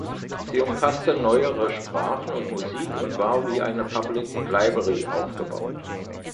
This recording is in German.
Sie umfasste Neuere Sprachen und Musik und war wie eine Public Library aufgebaut.